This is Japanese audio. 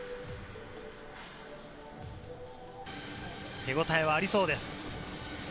手応えはありそうです。